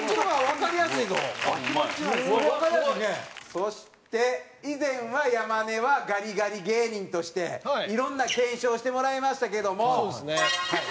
そして以前は山根はガリガリ芸人としていろんな検証をしてもらいましたけども。